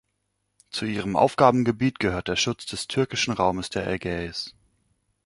Zu ihrem Aufgabengebiet gehört der Schutz des türkischen Raumes der Ägäis.